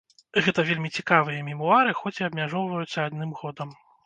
Гэта вельмі цікавыя мемуары, хоць і абмяжоўваюцца адным годам.